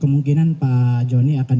kemungkinan pak joni akan